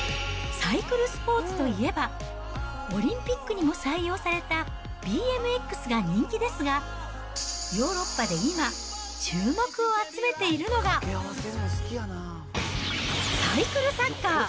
サイクルスポーツといえば、オリンピックにも採用されたＢＭＸが人気ですが、ヨーロッパで今、注目を集めているのが、サイクルサッカー。